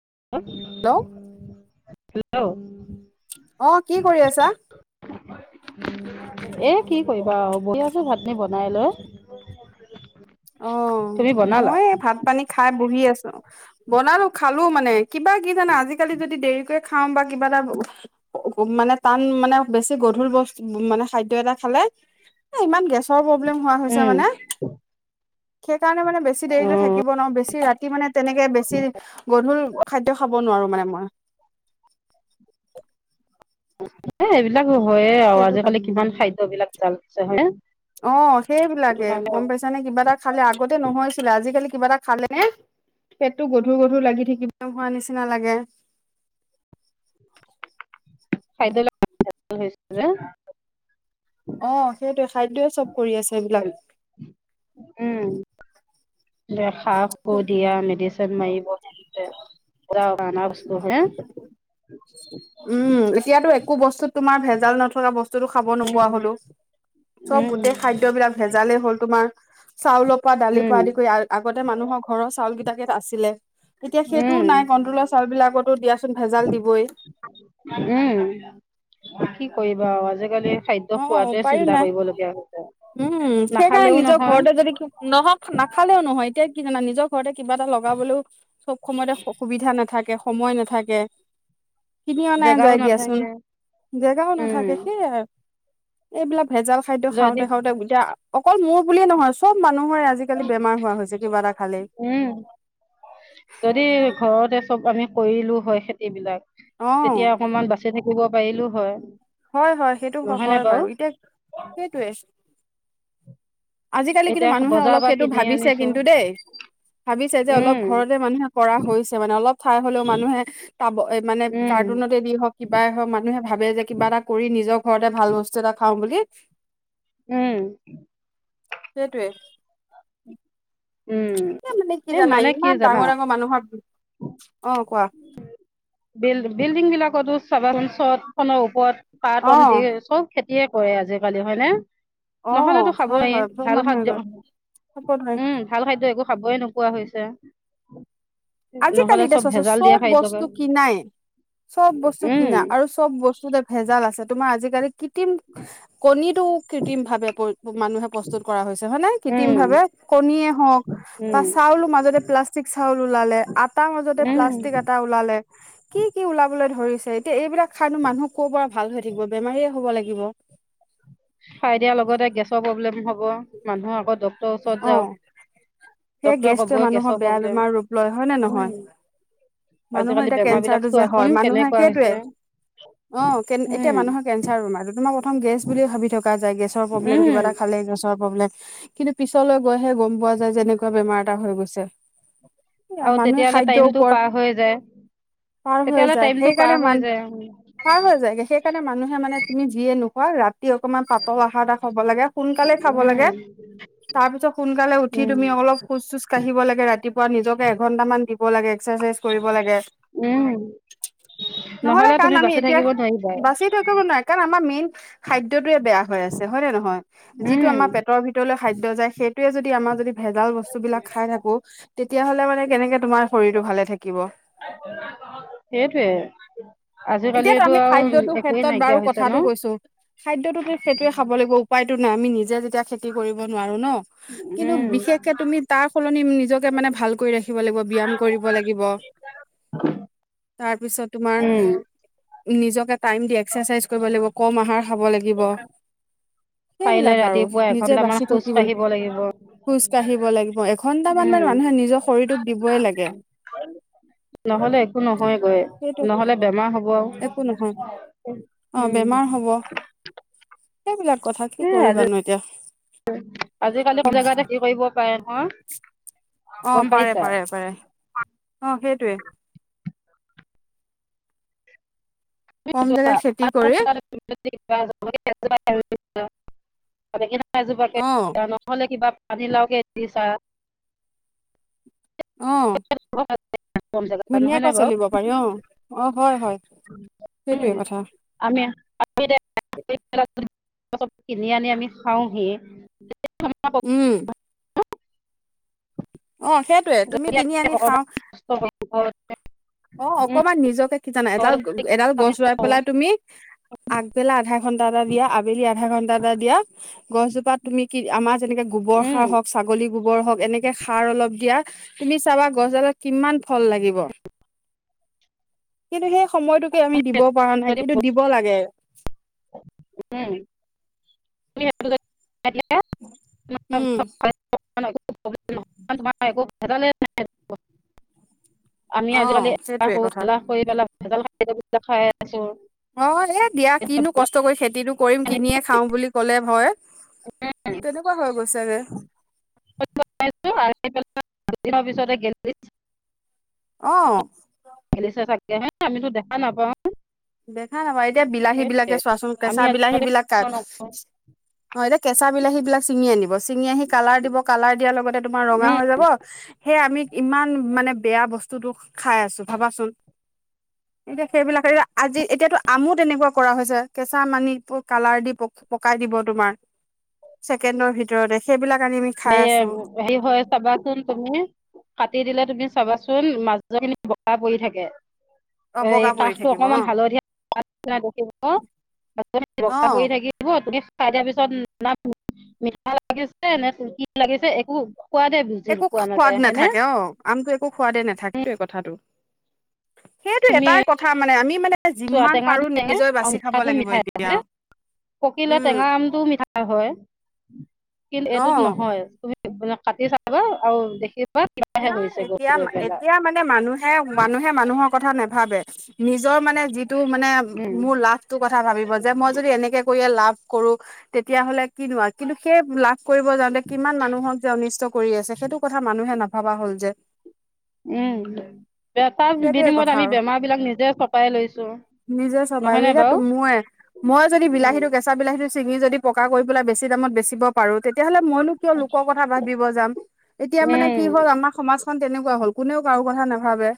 [unintelligible] Hello hello অ', কি কৰি আছা? এ কি কৰিবা বঢ়িয়াছো ভাত নি বনাই লৈ অ', তুমি বনালা মই ভাত পানী খাই বহি আছো বনালো খালো মানে কিবা কি জানে আজিকালি যদি দেৰিক খাওঁ বা কিবা এটা মানে টান মানে বেছি গধুৰ বস্তু মানে খাদ্য এটা খালে ইমান চব প্ৰব্লেম হোৱা হৈছে উম মানে সেই কাৰণে মানে বেছি অ দেৰিলৈ থাকিব নোৱাৰো বেছি ৰাতি মানে তেনেকে বেছি গধূৰ খাদ্য খাব নোৱাৰো। মান মই এইবিলাক হয়য়ে আৰু সেইটো কাৰ আজিকালি কিমান খাদ্যবলাক জালছে হয়নে? অ', সেইটো সেইবিলাকে কাৰণে গম পাইছা নে কিবা এটা খালে আগতে নহৈছিলে আজিকালি কিবা এটা খালে নে পেটতটো গধুৰ, গধুৰ লাগি থাকিব হোৱা নিচিনা লাগে [inaudible] খাই লগ হৈছে যে [unintelligible] অ', সেইটোৱে খাদ্যয়য়ে চব কৰি আছে এইবিলাক দে খাপ ক দিয়া মেডিচিন মাৰিব অ ন বছ উম এতিয়াতো একো বস্তুত তোমাৰ ভেজাল নথকা বস্তু বস্তুটো খাব নোপোৱা হলো চব উম গোটেই খাদ্যবিলাক ভেজালেই হ'ল তোমাৰ। চাউলৰ পৰা দালিৰ পৰা উম আদি কৰি আগতে মানুহৰ ঘৰৰ চাউল কেইটাকেইটা আছিলে তেতিয়া সেইটোও উম নাই। কণ্ট্ৰলৰ চাউল বিলাকতো দিয়াচোন ভেজাল দিবই। বা আজিকালি খাদ্য অ', খোৱাটোৱে উপায়ো চিন্তা নাই, কৰিবলগীয়া হৈছে উম সেইকাৰণে নাখালেও নিজৰ নহয় ঘৰতে যদি নহওক না নাখালেও নহয় এতিয়া কি জানা নিজৰ ঘৰতে কিবা এটা লগাবলেও, চব সময়তে অসুবিধা নাথাকে। সময় নাথাকে। কিনি অনা জেগাও যায় দিয়াচোন, নাথাকে জেগাও উম নাথাকে সেইয়াই, এইবিলাক ভেজাল খাদ্য যদি খাওঁতে-খাওঁতে [unintelligible] অকল মোৰ বুলিয়ে নহয় চব মানুহৰে আজিকালি বেমাৰ হোৱা হৈছে কিবা এটা খালেই। উম যদি ঘৰতে চব আমি কৰিলোঁ হয় খেতিবিলাক, অ তেতিয়া অকনমান বাচি থাকিব পাৰিলো হয়। হয় হয় সেইটো নহয় নে হয় বাৰু, এতিয়া সেইটৱে আজিকালি কিন্তু এতিয়া মানুহে বজাৰৰ অলপ পৰা সেইটো কিনি ভাবিছে আনিছো কিন্তু দে। ভাবিছে যে অলপ উম ঘৰতে মানুহে কৰা হৈছে মানে অলপ ঠাই হলেও মানুহে, তাব মানে উম [unintelligible] দি হওক কিবাই হওক মানুহে ভাবে যে কিবা এটা কৰি নিজৰ ঘৰতে ভাল বস্তু এটা খাওঁ বুলি। উম সেইটোৱে। উম এ মানে কি এই জানা মানে কি ইমান জানা ডাঙৰ ডাঙৰ মানুহৰ, অ, কোৱা। বিল-বিল্ডিং বিলাকতো চাবা চত খনৰ ওপৰত। অ [unintelligible] দিয়ে চব খেতিয়ে কৰে আজিকালি, হয়নে? অ নহ'লেতো হয় খাবই, হয় চব ভাল মানুহে খাদ্য কয় উম, ভাল খাদ্য একো খাবই নোপোৱা হৈছে, নহ'লে চব চ' ভেজাল দিয়া চব খাদ্যকে বস্তু কিনাই। চব বস্তু উম কিনা আৰু চব বস্তুতে ভেজাল আছে তোমাৰ আজি কৃত্ৰিম, কণীটো কৃত্ৰিম ভাৱে মানুহে প্ৰস্তুত কৰা হৈছে হয় নে, কৃত্ৰিম উম ভাৱে? কণীয়ে হওক, উম বা চাউল মাজতে প্লাষ্টিক চাউল উলালে। তাৰ মাজতে উম প্লাষ্টিক এটা ওলালে, কি কি ওলাবলৈ ধৰিছে এতিয়া এইবিলাক খাইনো মানুহ ক' পৰা ভাল হৈ থাকিব বেমাৰীয়ে হ'ব লাগিব। খাই দিয়া লগতে গেছৰ প্ৰব্লেম হ'ব মানুহৰ আকৌ দ অ সেই গেছটোৱে ক'বই মানুহৰ গেছৰ বেয়া প্ৰব্লেম বেমাৰ ৰূপ লয় হয় নে উম নহয়? মানুহৰ আজিকালি এতিয়া বেমাৰ বিলাক কেঞ্চাৰটো যে চোৱাচোন হয় মানুহে কেনেকুৱা সেইটোৱে হৈছে অ কে এতিয়া উম মানুহৰ কেঞ্চাৰ বেমাৰটো তোমাৰ প্ৰথম গেছ বুলি ভাবি থকা যায় গেছৰ প্ৰব্লেম কিবা উম এটা খালে গেছৰ প্ৰব্লেম কিন্তু পিছলৈ গৈহে গম পোৱা যায় যে এনেকুৱা বেমাৰ এটা হৈ গৈছে। এইয়া আৰু মানুহে তেতিয়াহ'লে খাদ্যৰ টাইমটো ওপৰত পাৰ হৈ যায় পাৰ হৈ তেতিয়াহ'লে যায় টাইমটো পাৰ সেইকাৰণে হৈ মান যায় পাৰ হৈ যায় গে সেইকাৰণে মানুহে মানে তুমি যিয়ে ৰাতি অকমান পাতল আহাৰ এটা খাব লাগে সোনকালে খাব উম লাগে। [inaudible] তাৰপিছত সোনকালে উঠি উম তুমি অলপ খোজ চোজ কঢ়িব লাগে। ৰাতিপুৱা নিজকে এঘন্টা মান দিব লাগে এস্কচাৰচ্ৰাইজ কৰিব লাগে। উম নহলে তুমি কাৰণ আমি বাচি এতিয়া থাকিব নোৱাৰিবাই বাচি থৈ নোৱাৰি কাৰণ আমাৰ মেইন খাদ্যটোৱে বেয়া হৈ আছে হয় নে নহয়, যিটো উম আমাৰ পেটৰ ভিতৰলৈ খাদ্য যাই সেইটোয়ে যদি আমাৰ যদি ভেজাল বস্তু বিলাক খাই থাকো তেতিয়া হলে মানে কেনেকে তোমাৰ শৰীৰটো ভালে থাকিব? সেইটোৱে এতিয়াতো আজিকালিতো আমি আৰু খাদ্যটোৰ একোৱে ক্ষেত্ৰত বাৰু নাইকিয়া হৈছে ন কথাটো কৈছো খাদ্যয়টোতো সেইটোৱে খাব লাগিব উপায়টো নাই আমি নিজে যেতিয়া খেতি কৰিব নোৱাৰো ন কিন্তু উম বিশেষকে তুমি তাৰ সলনি নিজকে মানে ভাল কৰি ৰাখি উঠিব লাগিব ব্যয়াম কৰিব লাগিব। তাৰ পিছত তোমাৰ উম নিজকে টাইম দি এক্সাৰচাইজ কৰিব লাগিব কম আহাৰ খাব লাগিব। পাৰিলে সেইবিলাক আৰু ৰাতিপুৱা নিজে এঘন্টামান বাচি খোজ থাকিব লাগ কাঢ়িব লাগিব খোজ কাঢ়িব লাগে। অ', এঘন্টামান মানে উম মানুহে নিজৰ শৰীৰটোক দিবই লাগে। নহ'লে একো নহয় গৈ সেইটো নহ'লে বেমাৰ হ'ব। আৰু একো নহয় অ' বেমাৰ উম হ'ব এইবিলাক কথা। কি এ আজি কৰিবানো এতিয়া আজিকালি কলেগতে কি কৰিব পাৰে নহয়। অ গম পাৰে পাইছা পাৰে পাৰে অ সেইটোৱে। [unintelligible] কম জেগা খেতি কৰি এজোপাকে অ নহ'লে কিবা [unintelligible] অ কম জেগাত নহয়নে ধুনীয়াকৈ বাৰু চলিব পাৰি অ অ হয় হয়। সেইটোৱে উম কথা আমি [unintelligible] অ কিনি আনি আমি খাওঁহি। উম। অ সেইটোয়ে তুমি যদি কিনি আমি আনি খাওঁ। অকমান কষ্ট কৰোঁ ঘৰত অ উম অকমান নিজকে কি জানা এডাল ঘৰত যদি এডাল আমি গছ ৰুই কৰোঁ পেলাই তুমি আগবেলা আধা ঘন্টা এটা দিয়া, আবেলি আধা ঘন্টা এটা দিয়া গছজোপাত তুমি কি আমাৰ যেনেকে গোবৰ উম সাৰ হওঁক, ছাগলী, গোবৰ হওঁক এনেকে সাৰ অলপ দিয়া তুমি চাবা গছডালত কিমান ফল লাগে। কিন্তু সেই সময়টোকে আমি দিব পৰা নাই যদি কিন্তু দিব লাগে। উম [unintelligible] উম [unintelligible] আমি অ আজিকালি এ সেইটোৱে কথা এলাহ কৰি পেলাই খাই আছে। নহয় এ দিয়া কিনো কষ্ট কৰিছে। কিনো কৰিম কিনিয়ে খাও বুলি ক'লে হয় তেনেকুৱা হৈ গৈছে গে। [unintelligible] অ। [unintelligible] আমিতো দেখা নাপাওঁ। দেখা নাপাওঁ এতিয়া সেইটোৱে বিলাহীবিলাকে চোৱাচোন কেঁচা আমি বি আজিকালি বিলাহীবিলাক কাট অ এতিয়া কেঁচা বিলাহীবিলাক চিঙি আনিব চিঙি আহি কালাৰ দিব, কালাৰ দিয়াৰ লগতে তোমাৰ ৰঙা হৈ যাব সেই আমি ইমান মানে বেয়া বস্তুটো খাই আছো ভাবাচোন এতিয়া সেইবিলাকে আজি এতিয়াটো আমো তেনেকুৱা কৰা হৈছে কেঁচা আম আনি কালাৰ দি পকাই দিব তোমাৰ। ছেকেণ্ডৰ ভিতৰতে সেইবিলাক আনি আমি খাই আছো, হেৰি হয় চাবাচোন তুমি কাটি দিলে তুমি চাবাচোন মাজৰখিনি বগা পৰি থাকে অ', এ বগা পৰি কাষটো থাকিব অকমান অ', হালধীয়া অ', [unintelligible] খাই দিয়া পিছত মিঠা লাগিছে নে কি লাগিছে একো [unintelligible] বুজি একো পোৱা সোৱাদ নাযায় হয়নে নাথাকে অ আমটো একো সোৱাদে নাথাকে এইটোৱে কথাটো। সেইটো তুমি এটাই কথা মানে আমি মানে চোৱা যিমান পাৰো টেঙাটো টেঙাই নিজে বাচি খাব মিঠাটো লাগিব মিঠায়ে এতিয়া, হয়নে? পকিলে উম, টেঙা আমটোও মিঠা হয় কিন্তু এইটোত অ'। নহয়। মানে কাটি চাবা আৰু দেখিবা কিবাহে নাই হৈছে গৈ এতিয়া গৈ পেলাই এতিয়া মানে মানুহে মানুহে মানুহৰ কথা নেভাবে। নিজৰ মানে যিটো মানে উম মোৰ লাভটো কথা ভাবিব যে মই যদি এনেকে কৰিলে লাভ কৰো তেতিয়া হ'লে কিনো আও কিন্তু সেই লাভ কৰিব যাওঁতে কিমান মানুহক যে অনিষ্ট কৰি আছে সেইটো কথা মানুহে নাভা ভাবা হ'ল যে উম তাৰ সেইটোয়ে কথা বিনিময়ত আমি আৰু বেমাৰবিলাক নিজে ছপাই লৈছো। নিজে ছপাই নহয়নে বাৰু যেতিয়া মইয়ে মই যদি উম বিলাহীটো কেঁচা বিলাহীটো ছিঙি যদি পকা কৰি পেলাই বেছি দামত বেচিব পাৰো তেতিয়াহ'লে মইনো কিয় লোকৰ কথা ভাবিব যাম এতিয়া মানে কি উম হ'ল আমাৰ সমাজখন তেনেকুৱা হ'ল কোনেও কাৰো কথা নাভাবে।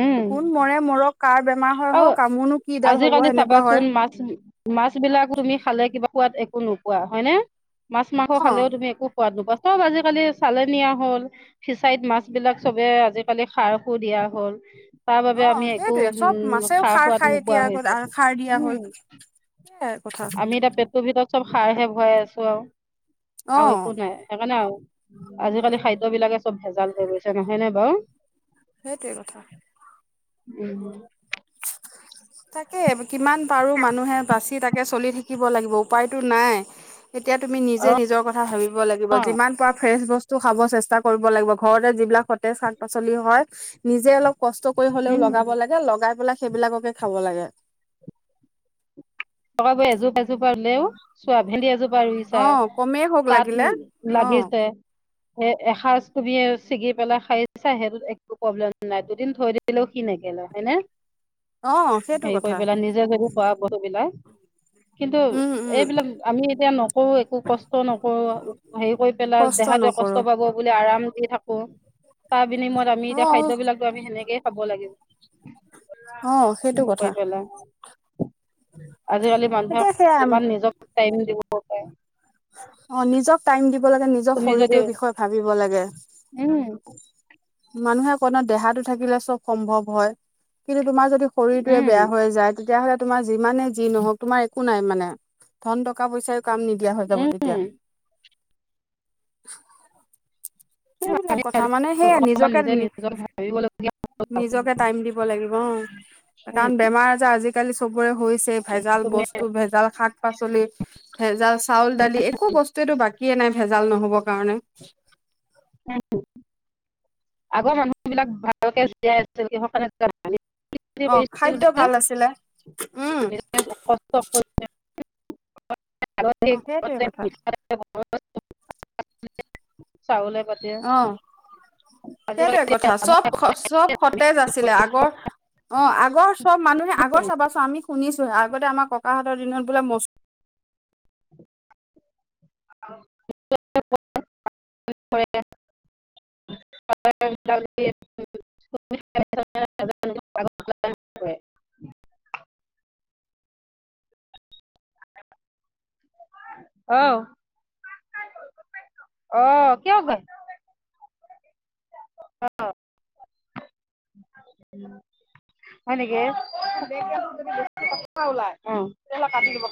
উম কোন মৰে মৰক, কাৰ বেমাৰ হয় হওঁক আৰু মোৰনো কিডাল হ'ব আজিকালি সেনেকুৱা চাবাচোন হয়। মাছ মাছ বিলাকো তুমি খালে কিবা সোৱাত একো নোপোৱা হয় ন'। মাছ, মাংস অ খালেও তুমি একো সোৱাদ নোপোৱা চব আজিকালি চালেনিয়া হ'ল ফিচাৰীত মাছবিলাক চবে আজিকালি সাৰ সুৰ দিয়া হ'ল। তাৰ বাবে আমি অ' একো সেইটোয়ে চব উম মাছেও সাৰ সোৱাদ খায়। নোপোৱা এতিয়া আগত হৈছো সাৰ দিয়া হ'ল। উম [unintelligible] আমি এতিয়া পেটটো ভিতৰত চব সাৰ হে ভৰাই আছো আৰু অ আৰু একো নাই সেইকাৰণে আৰু আজিকালি খাদ্য বিলাকে চব ভেজাল হয় গৈছে নহয় নে বাৰু! সেইটোৱে কথা। উম। তাকে কিমান পাৰো মানুহে বাছি তাকে চলি থাকি শিকিব লাগিব উপায়টো নাই। এতিয়া তুমি নিজে নিজৰ কথা ভাবিব লাগিব যিমান পাৰা ফ্ৰেচ বস্তু খাব চেষ্টা কৰিব লাগিব ঘৰতে যিবিলাক সতেজ শাক-পাচলি হয় নিজে অলপ কষ্ট কৰি হলেও উম লগাব লাগে লগাই পেলাই সেইবিলাককে খাব লাগে। তই গৈ এযোৰ এযোৰ পালেও [unintelligible] ৰুইছা অ কমেই হওক লাগিলে তাত অ লাগিছে এ এসাঁজ তুলিয়ে ছিগি পেলাই খাই চা সেইটোত একো প্ৰব্লেম নাই। দুদিন থৈ দিলেও সি নেগেলে। হয়নে, অ সেইটো হেৰি কথা কৰি পেলাই নিজে যদি খোৱা বস্তুবিলাক কিন্তু উম, উম, এইবিলাক আমি এতিয়া নকৰো একো কষ্ট নকৰো হেৰি কৰি পেলাই কষ্ট দেহাটোৱে নকৰো কষ্ট পাব বুলি আৰাম থাকো তাৰ বিনিময়ত আমি এতিয়া অ', খাদ্যবিলাকো আমি সেনেকেই খাব লাগিব। অ', সেইটো উম, কৈ কথা। পেলে। আজিকালি মানুহক এতিয়া সেয়া ইমান নিজক টাইম দিব পাৰে। অ নিজক টাইম দিব লাগে নিজক তুমি যদি শৰীৰটোৰ বিষয়ে ভাবিব লাগে। উম মানুহে কয় ন দেহাটো থাকিলে চব সম্ভৱ হয়। কিন্তু তোমাৰ যদি শৰীৰটোয়ে উম বেয়া হৈ যায় তেতিয়া হ'লে তোমাৰ যিমানে যি নহওক তোমাৰ একো নাই মানে ধন টকা পইচাই কাম নিদিয়া হৈ যাব উম তেতিয়া। সেইবিলাক আমি কথা আজি মানে সেয়া অকমান নিজকে নিজে নিজক ভাবিবলগীয়া নিজকে টাইম দিব লাগিব। উম কাৰণ বেমাৰ আজাৰ আজি আজিকালি চবোৰে হৈছে ভেজাল তুমি বস্তু ভেজাল শাক পাচলি ভেজাল চাউল দালি একো বস্তুটো বাকিয়েই নাই ভেজাল নহ'ব কাৰণে। আগৰ মানুহ বিলাক ভালকে জীয়াই আছিল কিহৰ কাৰণে জানা অ খাদ্য ভাল আছিলে উম অ সেইটোৱে কথা [inaudible] [inaudible] চাউলে পাতিয়ে অ আজিকালি সেইটোৱে কথা চব মানুহে চব সতেজ আছিলে আগৰ অ আগৰ চব মানুহে আগৰ চাবাচোন আমি শুনিছো আগতে আমাক ককাহঁতৰ দিনত বোলে মচ [inaudible] [inaudible] [inaudible] আহ আহ কিয় অ। হয় নেকি ওলাই কাটি দিব।